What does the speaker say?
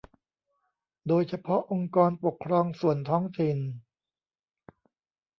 โดยเฉพาะองค์กรปกครองส่วนท้องถิ่น